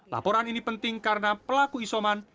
laporan ini penting karena pelaku isoman